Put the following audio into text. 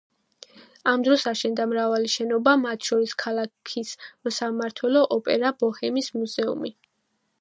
ამ დროს აშენდა მრავალი შენობა, მათ შორის ქალაქის სამმართველო, ოპერა და ბოჰემიის მუზეუმი.